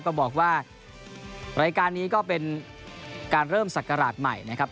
ก็บอกว่ารายการนี้ก็เป็นการเริ่มศักราชใหม่นะครับ